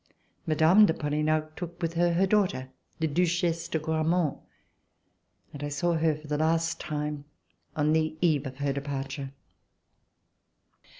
Mme. de Polignac took with her her daughter, the Duchesse de Gramont, and I saw her for the last time on the eve of her departure.